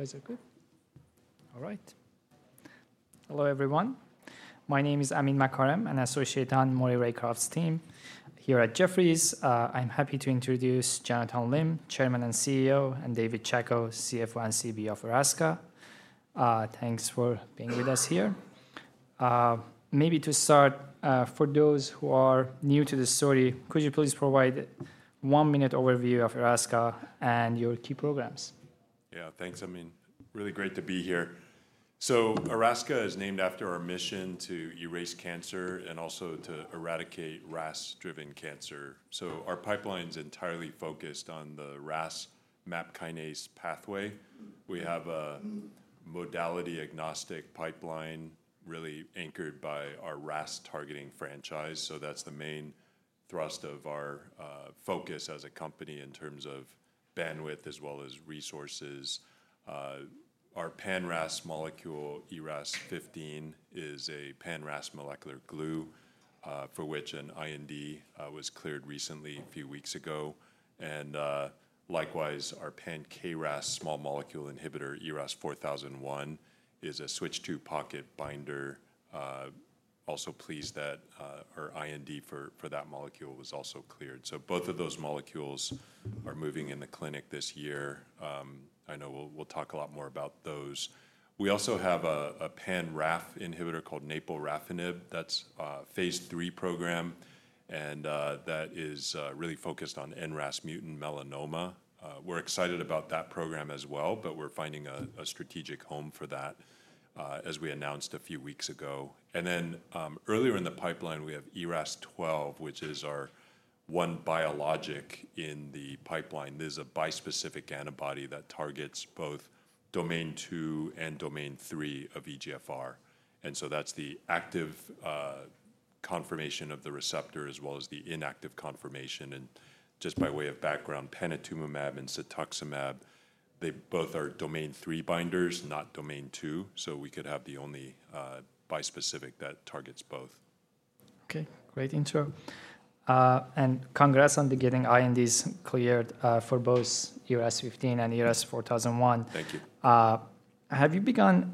Associate on Maury Raycroft's team here at Jefferies. I'm happy to introduce Jonathan Lim, Chairman and CEO, and David Chacko, CFO and CBO of Erasca. Thanks for being with us here. Maybe to start, for those who are new to the story, could you please provide a one-minute overview of Erasca and your key programs? Yeah, thanks. I mean, really great to be here. Erasca is named after our mission to erase cancer and also to eradicate RAS-driven cancer. Our pipeline is entirely focused on the RAS/MAPK pathway. We have a modality-agnostic pipeline really anchored by our RAS-targeting franchise. That is the main thrust of our focus as a company in terms of bandwidth as well as resources. Our pan-RAS molecule, ERAS-0015, is a pan-RAS molecular glue for which an IND was cleared recently, a few weeks ago. Likewise, our pan-KRAS small molecule inhibitor, ERAS-4001, is a switch-II pocket binder. Also pleased that our IND for that molecule was also cleared. Both of those molecules are moving in the clinic this year. I know we will talk a lot more about those. We also have a pan-RAF inhibitor called naporafenib. That's a phase III program, and that is really focused on NRAS mutant melanoma. We're excited about that program as well, but we're finding a strategic home for that as we announced a few weeks ago. Earlier in the pipeline, we have ERAS-12, which is our one biologic in the pipeline. This is a bispecific antibody that targets both domain II and domain III of EGFR. That is the active confirmation of the receptor as well as the inactive confirmation. Just by way of background, panitumumab and cetuximab, they both are domain III binders, not domain II. We could have the only bispecific that targets both. Okay, great intro. Congrats on getting INDs cleared for both ERAS-0015 and ERAS-4001. Thank you. Have you begun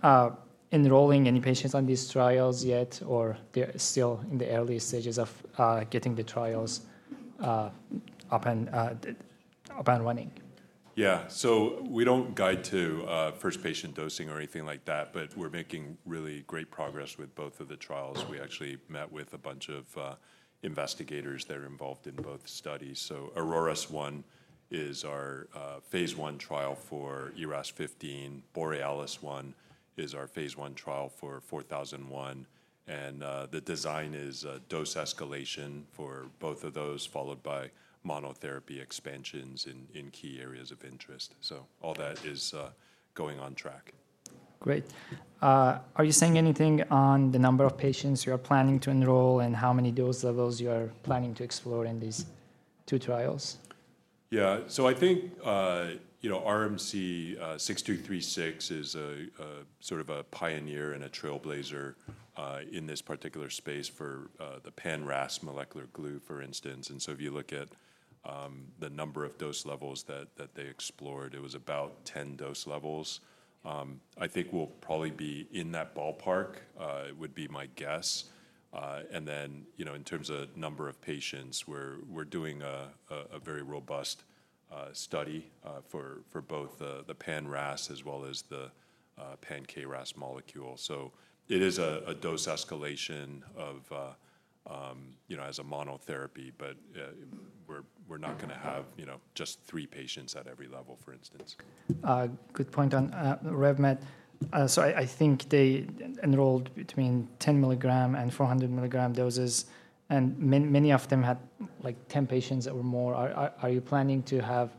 enrolling any patients on these trials yet, or they're still in the early stages of getting the trials up and running? Yeah, so we do not guide to first patient dosing or anything like that, but we are making really great progress with both of the trials. We actually met with a bunch of investigators that are involved in both studies. AURORAS-1 is our phase I trial for ERAS-0015. BOREALIS-1 is our phase I trial for ERAS-4001. The design is dose escalation for both of those, followed by monotherapy expansions in key areas of interest. All that is going on track. Great. Are you saying anything on the number of patients you are planning to enroll and how many dose levels you are planning to explore in these two trials? Yeah, so I think RMC-6236 is sort of a pioneer and a trailblazer in this particular space for the pan-RAS molecular glue, for instance. If you look at the number of dose levels that they explored, it was about 10 dose levels. I think we'll probably be in that ballpark, would be my guess. In terms of number of patients, we're doing a very robust study for both the pan-RAS as well as the pan-KRAS molecule. It is a dose escalation as a monotherapy, but we're not going to have just three patients at every level, for instance. Good point on RevMed. I think they enrolled between 10 mg and 400 mg doses, and many of them had like 10 patients or more. Are you planning to have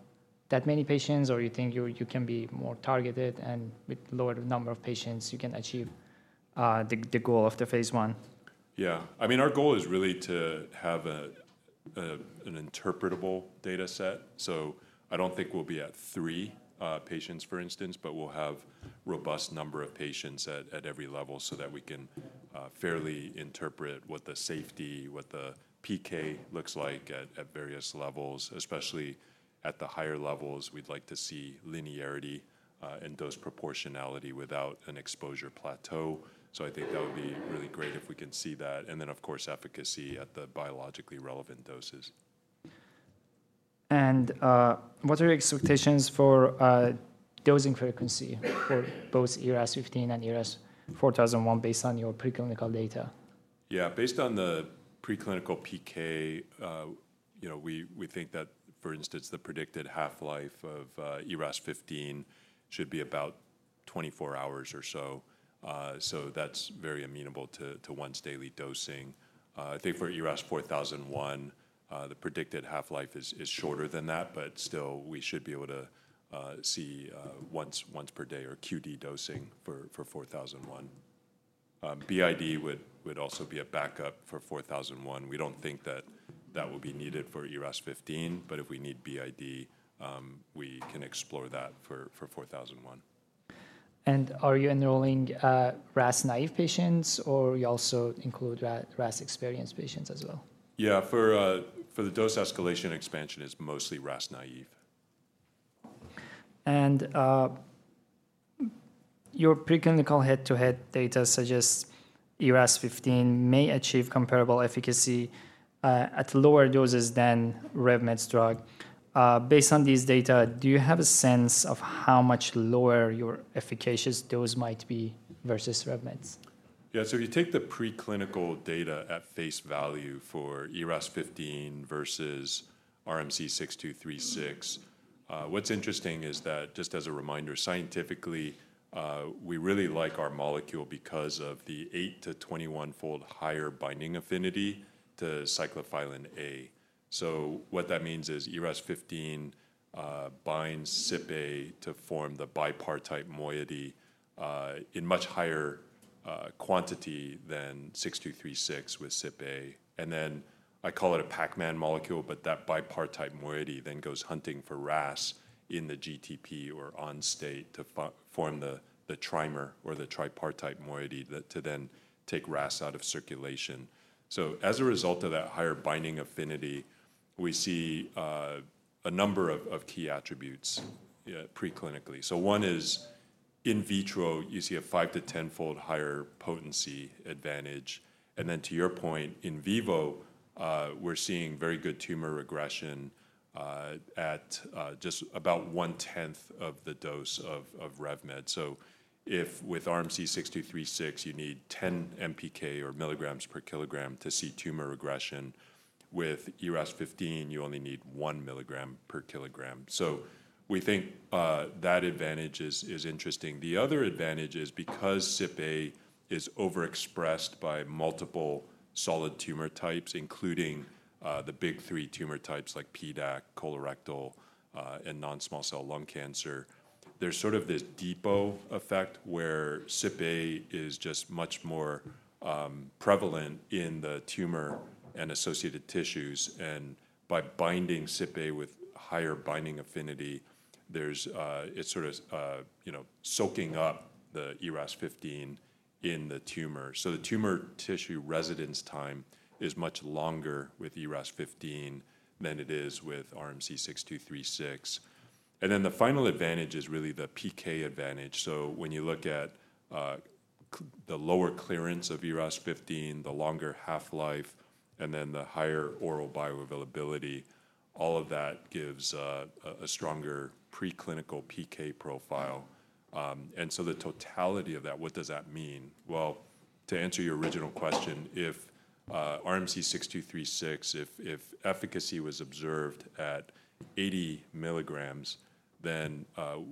that many patients, or do you think you can be more targeted and with a lower number of patients you can achieve the goal of the phase I? Yeah, I mean, our goal is really to have an interpretable data set. So I do not think we'll be at three patients, for instance, but we'll have a robust number of patients at every level so that we can fairly interpret what the safety, what the PK looks like at various levels, especially at the higher levels. We'd like to see linearity and dose proportionality without an exposure plateau. So I think that would be really great if we can see that. And then, of course, efficacy at the biologically relevant doses. What are your expectations for dosing frequency for both ERAS-0015 and ERAS-4001 based on your preclinical data? Yeah, based on the preclinical PK, we think that, for instance, the predicted half-life of ERAS-0015 should be about 24 hours or so. So that's very amenable to once daily dosing. I think for ERAS-4001, the predicted half-life is shorter than that, but still we should be able to see once per day or QD dosing for 4001. BID would also be a backup for 4001. We don't think that that will be needed for ERAS-0015, but if we need BID, we can explore that for 4001. Are you enrolling RAS naive patients, or you also include RAS experienced patients as well? Yeah, for the dose escalation expansion, it's mostly RAS naive. Your preclinical head-to-head data suggests ERAS-0015 may achieve comparable efficacy at lower doses than RevMed's drug. Based on these data, do you have a sense of how much lower your efficacious dose might be versus RevMed's? Yeah, so if you take the preclinical data at face value for ERAS-0015 versus RMC-6236, what's interesting is that, just as a reminder, scientifically, we really like our molecule because of the 8-21-fold higher binding affinity to CypA. So what that means is ERAS-0015 binds CypA to form the bipartite moiety in much higher quantity than 6236 with CypA. I call it a Pac-Man molecule, but that bipartite moiety then goes hunting for RAS in the GTP or on state to form the trimer or the tripartite moiety to then take RAS out of circulation. As a result of that higher binding affinity, we see a number of key attributes preclinically. One is in vitro, you see a 5-10-fold higher potency advantage. To your point, in vivo, we're seeing very good tumor regression at just about 1/10 of the dose of RevMed. If with RMC-6236, you need 10 mpk or milligrams per kilogram to see tumor regression, with ERAS-0015, you only need 1 mg per kg. We think that advantage is interesting. The other advantage is because CypA is overexpressed by multiple solid tumor types, including the big three tumor types like PDAC, colorectal, and non-small cell lung cancer, there's sort of this depot effect where CypA is just much more prevalent in the tumor and associated tissues. By binding CypA with higher binding affinity, it's sort of soaking up the ERAS-0015 in the tumor. The tumor tissue residence time is much longer with ERAS-0015 than it is with RMC-6236. The final advantage is really the PK advantage. When you look at the lower clearance of ERAS-0015, the longer half-life, and then the higher oral bioavailability, all of that gives a stronger preclinical PK profile. The totality of that, what does that mean? To answer your original question, if RMC-6236, if efficacy was observed at 80 mg, then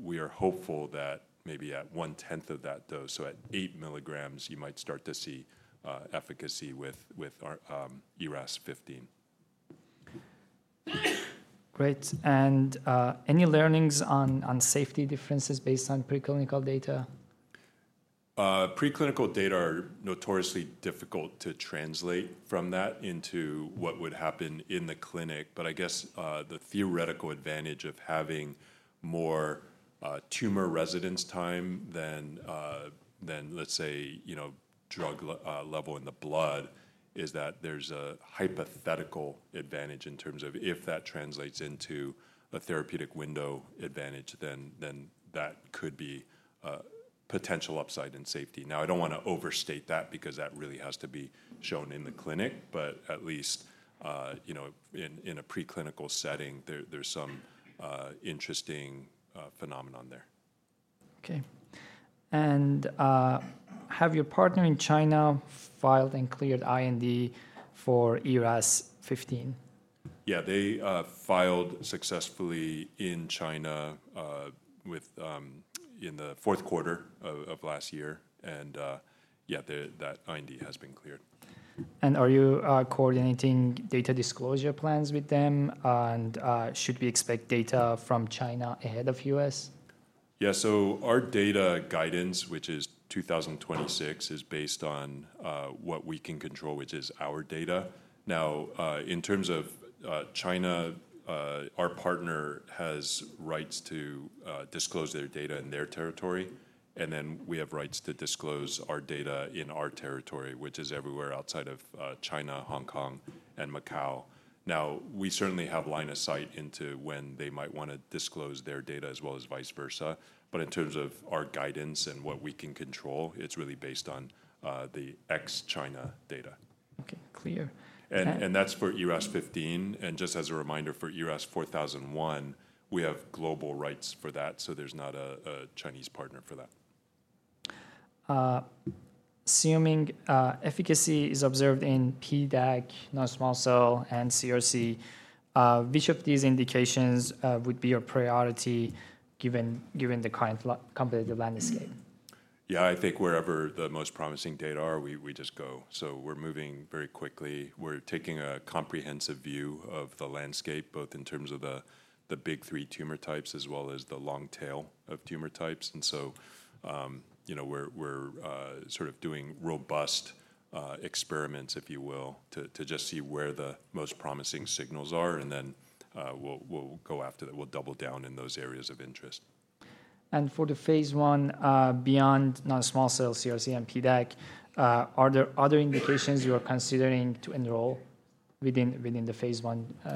we are hopeful that maybe at 1/10 of that dose, so at 8 mg, you might start to see efficacy with ERAS-0015. Great. Any learnings on safety differences based on preclinical data? Preclinical data are notoriously difficult to translate from that into what would happen in the clinic. I guess the theoretical advantage of having more tumor residence time than, let's say, drug level in the blood is that there's a hypothetical advantage in terms of if that translates into a therapeutic window advantage, then that could be potential upside in safety. I do not want to overstate that because that really has to be shown in the clinic, but at least in a preclinical setting, there's some interesting phenomenon there. Okay. Have your partner in China filed and cleared IND for ERAS-0015? Yeah, they filed successfully in China in the fourth quarter of last year. Yeah, that IND has been cleared. Are you coordinating data disclosure plans with them? Should we expect data from China ahead of the U.S.? Yeah, so our data guidance, which is 2026, is based on what we can control, which is our data. Now, in terms of China, our partner has rights to disclose their data in their territory. We have rights to disclose our data in our territory, which is everywhere outside of China, Hong Kong, and Macau. We certainly have line of sight into when they might want to disclose their data as well as vice versa. In terms of our guidance and what we can control, it's really based on the ex-China data. Okay, clear. That's for ERAS-0015. Just as a reminder, for ERAS-4001, we have global rights for that, so there's not a Chinese partner for that. Assuming efficacy is observed in PDAC, non-small cell, and CRC, which of these indications would be your priority given the current competitive landscape? Yeah, I think wherever the most promising data are, we just go. We are moving very quickly. We are taking a comprehensive view of the landscape, both in terms of the big three tumor types as well as the long tail of tumor types. We are sort of doing robust experiments, if you will, to just see where the most promising signals are. We will go after that. We will double down in those areas of interest. For the phase I, beyond non-small cell, CRC, and PDAC, are there other indications you are considering to enroll within the phase I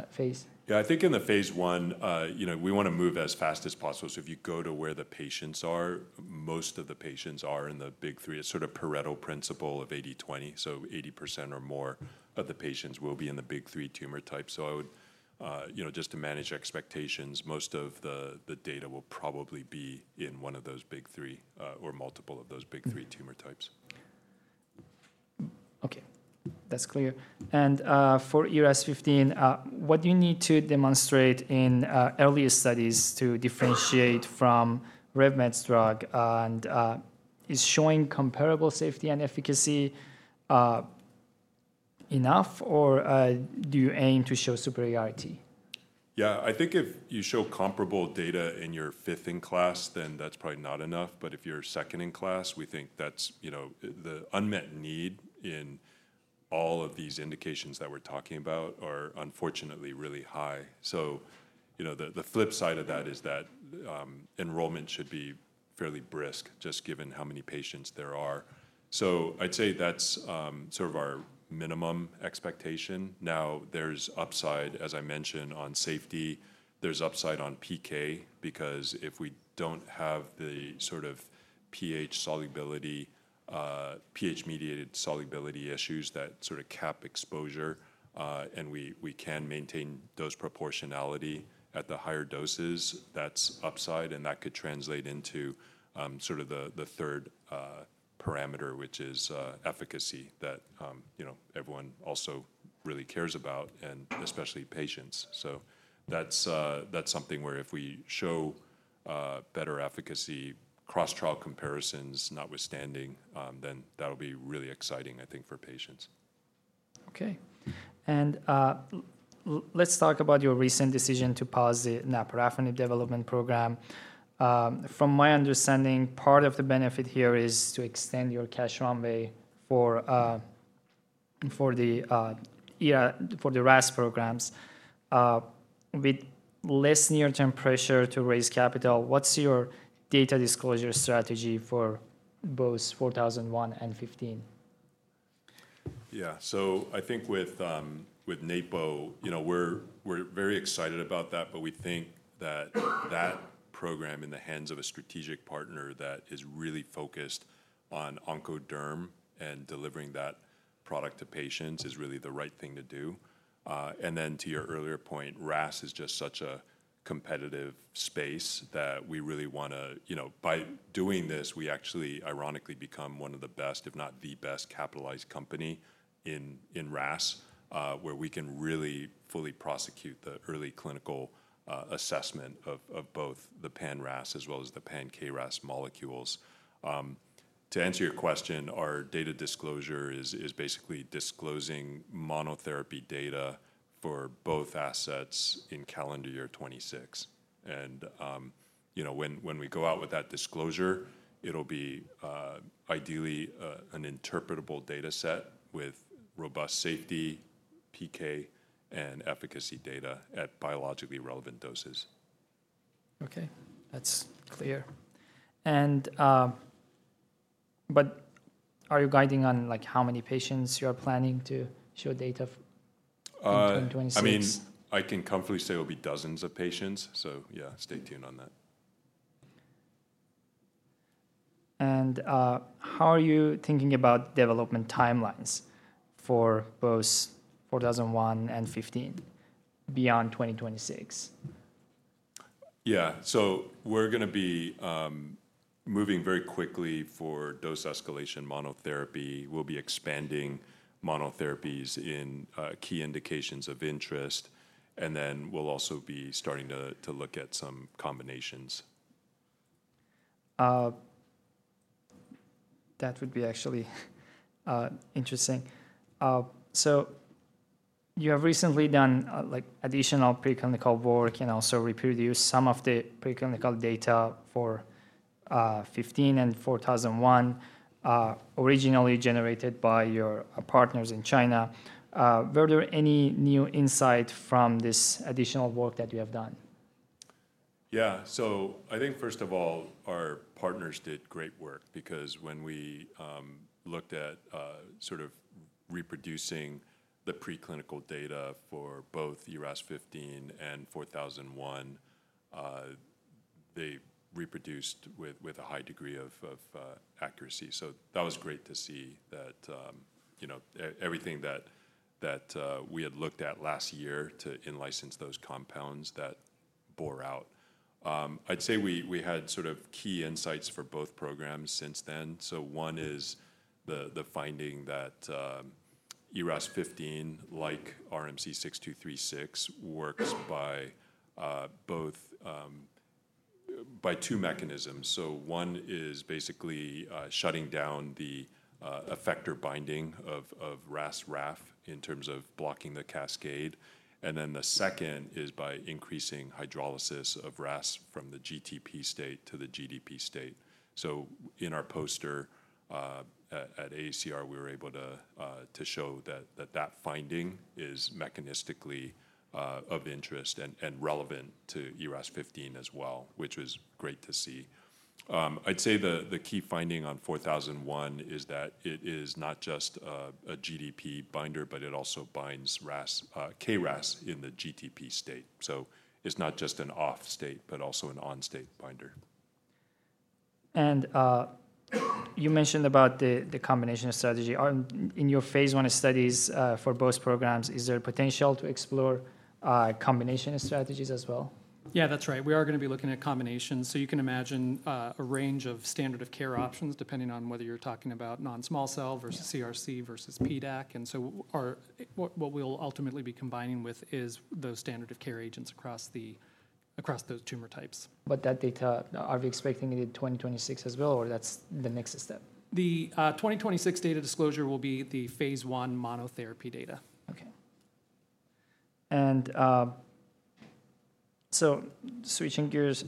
phase? Yeah, I think in the phase I, we want to move as fast as possible. If you go to where the patients are, most of the patients are in the big three. It is sort of Pareto principle of 80/20. 80% or more of the patients will be in the big three tumor types. Just to manage expectations, most of the data will probably be in one of those big three or multiple of those big three tumor types. Okay, that's clear. For ERAS-0015, what do you need to demonstrate in earlier studies to differentiate from RevMed's drug? Is showing comparable safety and efficacy enough, or do you aim to show superiority? Yeah, I think if you show comparable data and you are fifth in class, then that's probably not enough. If you are second in class, we think that's the unmet need in all of these indications that we're talking about are unfortunately really high. The flip side of that is that enrollment should be fairly brisk, just given how many patients there are. I'd say that's sort of our minimum expectation. Now, there's upside, as I mentioned, on safety. There's upside on PK because if we don't have the sort of pH solubility, pH-mediated solubility issues that sort of cap exposure, and we can maintain dose proportionality at the higher doses, that's upside. That could translate into sort of the third parameter, which is efficacy that everyone also really cares about, and especially patients. That's something where if we show better efficacy, cross-trial comparisons notwithstanding, then that'll be really exciting, I think, for patients. Okay. Let's talk about your recent decision to pause the naporafenib development program. From my understanding, part of the benefit here is to extend your cash runway for the RAS programs with less near-term pressure to raise capital. What's your data disclosure strategy for both 4001 and 0015? Yeah, so I think with napo, we're very excited about that, but we think that that program in the hands of a strategic partner that is really focused on Oncoderm and delivering that product to patients is really the right thing to do. To your earlier point, RAS is just such a competitive space that we really want to, by doing this, we actually ironically become one of the best, if not the best capitalized company in RAS, where we can really fully prosecute the early clinical assessment of both the pan-RAS as well as the pan-KRAS molecules. To answer your question, our data disclosure is basically disclosing monotherapy data for both assets in calendar year 2026. When we go out with that disclosure, it'll be ideally an interpretable data set with robust safety, PK, and efficacy data at biologically relevant doses. Okay, that's clear. Are you guiding on how many patients you are planning to show data in 2026? I mean, I can comfortably say it'll be dozens of patients. Yeah, stay tuned on that. How are you thinking about development timelines for both 4001 and 0015 beyond 2026? Yeah, we're going to be moving very quickly for dose escalation monotherapy. We'll be expanding monotherapies in key indications of interest. We'll also be starting to look at some combinations. That would be actually interesting. You have recently done additional preclinical work and also reproduced some of the preclinical data for 0015 and 4001 originally generated by your partners in China. Were there any new insight from this additional work that you have done? Yeah, so I think first of all, our partners did great work because when we looked at sort of reproducing the preclinical data for both ERAS-0015 and 4001, they reproduced with a high degree of accuracy. That was great to see that everything that we had looked at last year to in-license those compounds, that bore out. I'd say we had sort of key insights for both programs since then. One is the finding that ERAS-0015, like RMC-6236, works by two mechanisms. One is basically shutting down the effector binding of RAS-RAF in terms of blocking the cascade. The second is by increasing hydrolysis of RAS from the GTP state to the GDP state. In our poster at AACR, we were able to show that that finding is mechanistically of interest and relevant to ERAS-0015 as well, which was great to see. I'd say the key finding on 4001 is that it is not just a GDP binder, but it also binds KRAS in the GTP state. It is not just an off-state, but also an on-state binder. You mentioned about the combination strategy. In your phase I studies for both programs, is there a potential to explore combination strategies as well? Yeah, that's right. We are going to be looking at combinations. You can imagine a range of standard of care options depending on whether you're talking about non-small cell versus CRC versus PDAC. What we'll ultimately be combining with is those standard of care agents across those tumor types. That data, are we expecting it in 2026 as well, or that's the next step? The 2026 data disclosure will be the phase I monotherapy data. Okay. Switching gears,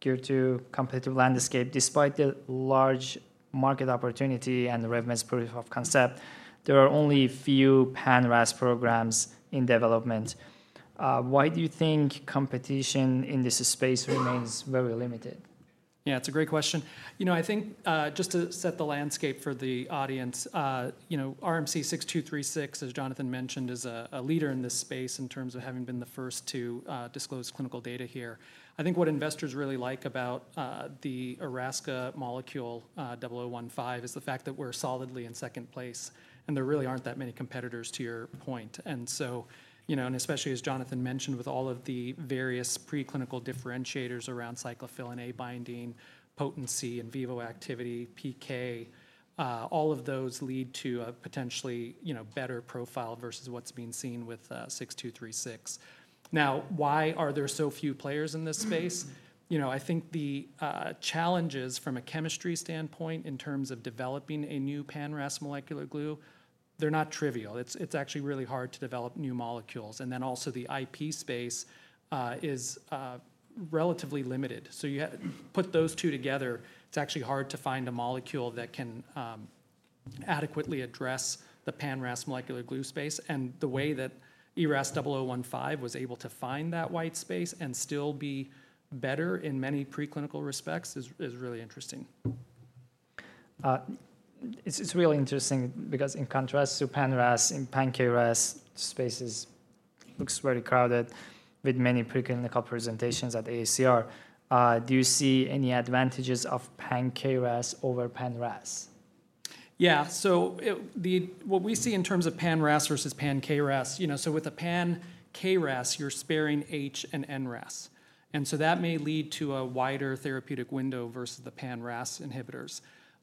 gear two, competitive landscape. Despite the large market opportunity and the RevMed's proof of concept, there are only a few pan-RAS programs in development. Why do you think competition in this space remains very limited? Yeah, it's a great question. You know, I think just to set the landscape for the audience, RMC-6236, as Jonathan mentioned, is a leader in this space in terms of having been the first to disclose clinical data here. I think what investors really like about the Erasca molecule 0015 is the fact that we're solidly in second place. There really aren't that many competitors, to your point. Especially as Jonathan mentioned, with all of the various preclinical differentiators around cyclophilin A binding, potency, in vivo activity, PK, all of those lead to a potentially better profile versus what's being seen with 6236. Now, why are there so few players in this space? You know, I think the challenges from a chemistry standpoint in terms of developing a new pan-RAS molecular glue, they're not trivial. It's actually really hard to develop new molecules. The IP space is relatively limited. You put those two together, it's actually hard to find a molecule that can adequately address the pan-RAS molecular glue space. The way that ERAS-0015 was able to find that white space and still be better in many preclinical respects is really interesting. It's really interesting because in contrast to pan-RAS, in pan-KRAS space looks very crowded with many preclinical presentations at AACR. Do you see any advantages of pan-KRAS over pan-RAS? Yeah, so what we see in terms of pan-RAS versus pan-KRAS, with a pan-KRAS, you're sparing H/NRAS. That may lead to a wider therapeutic window versus the pan-RAS inhibitors.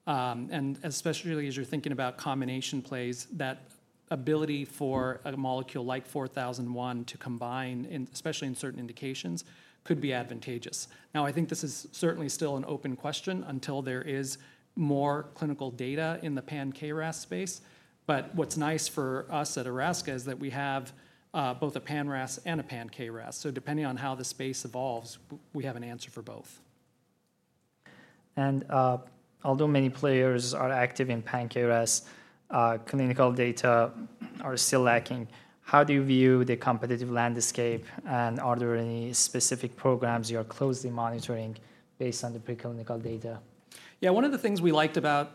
Especially as you're thinking about combination plays, that ability for a molecule like 4001 to combine, especially in certain indications, could be advantageous. I think this is certainly still an open question until there is more clinical data in the pan-KRAS space. What's nice for us at Erasca is that we have both a pan-RAS and a pan-KRAS. Depending on how the space evolves, we have an answer for both. Although many players are active in pan-KRAS, clinical data are still lacking. How do you view the competitive landscape? Are there any specific programs you are closely monitoring based on the preclinical data? Yeah, one of the things we liked about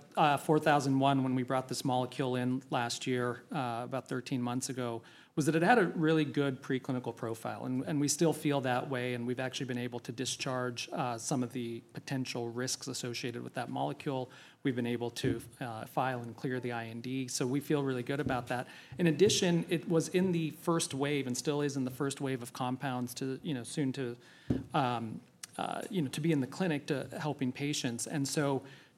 4001 when we brought this molecule in last year, about 13 months ago, was that it had a really good preclinical profile. We still feel that way. We have actually been able to discharge some of the potential risks associated with that molecule. We have been able to file and clear the IND. We feel really good about that. In addition, it was in the first wave and still is in the first wave of compounds soon to be in the clinic to helping patients.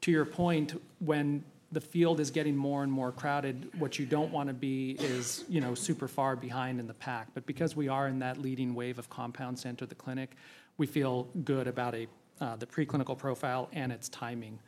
To your point, when the field is getting more and more crowded, what you do not want to be is super far behind in the pack. Because we are in that leading wave of compounds to enter the clinic, we feel good about the preclinical profile and its timing.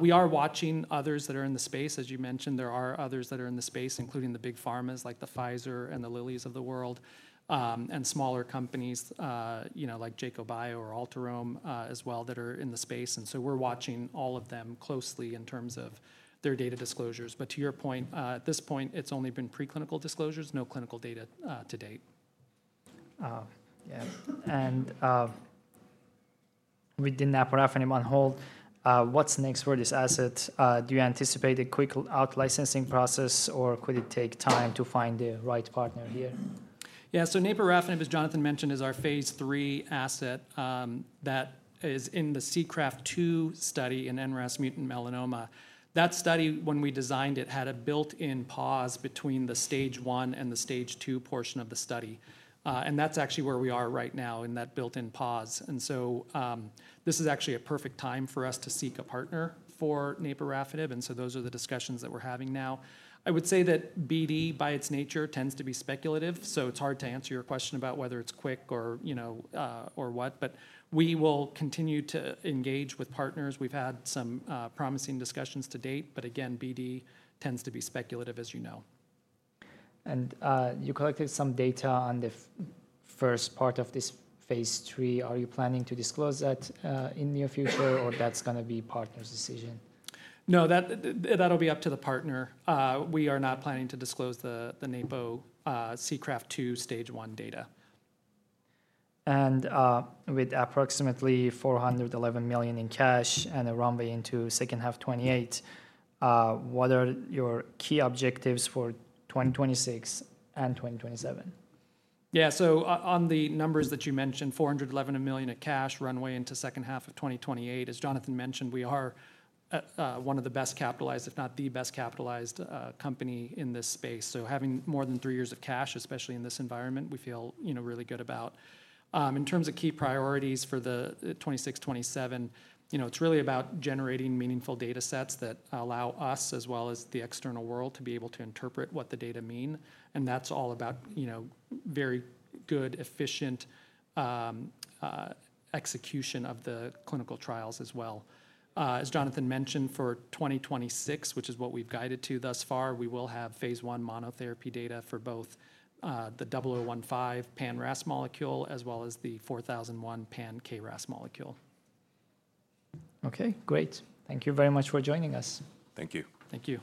We are watching others that are in the space. As you mentioned, there are others that are in the space, including the big pharmas like Pfizer and the Lilly's of the world and smaller companies like Jacobio or Alterome as well that are in the space. We are watching all of them closely in terms of their data disclosures. To your point, at this point, it's only been preclinical disclosures, no clinical data to date. Yeah. With naporafenib on hold, what's next for this asset? Do you anticipate a quick out-licensing process, or could it take time to find the right partner here? Yeah, so naporafenib, as Jonathan mentioned, is our phase III asset that is in the SEACRAFT-2 study in NRAS mutant melanoma. That study, when we designed it, had a built-in pause between the stage one and the stage two portion of the study. That is actually where we are right now in that built-in pause. This is actually a perfect time for us to seek a partner for naporafenib. Those are the discussions that we're having now. I would say that BD, by its nature, tends to be speculative. It is hard to answer your question about whether it is quick or what. We will continue to engage with partners. We've had some promising discussions to date. Again, BD tends to be speculative, as you know. You collected some data on the first part of this phase III. Are you planning to disclose that in the near future, or is that going to be the partner's decision? No, that'll be up to the partner. We are not planning to disclose the napo SEACRAFT-2 stage one data. With approximately $411 million in cash and a runway into the second half of 2028, what are your key objectives for 2026 and 2027? Yeah, so on the numbers that you mentioned, $411 million of cash runway into the second half of 2028. As Jonathan mentioned, we are one of the best capitalized, if not the best capitalized company in this space. Having more than three years of cash, especially in this environment, we feel really good about. In terms of key priorities for 2026-2027, it is really about generating meaningful data sets that allow us, as well as the external world, to be able to interpret what the data mean. That is all about very good, efficient execution of the clinical trials as well. As Jonathan mentioned, for 2026, which is what we have guided to thus far, we will have phase I monotherapy data for both the ERAS-0015 pan-RAS molecule as well as the ERAS-4001 pan-KRAS molecule. Okay, great. Thank you very much for joining us. Thank you. Thank you.